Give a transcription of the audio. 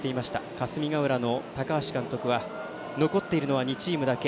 霞ヶ浦の高橋監督は残っているのは２チームだけ。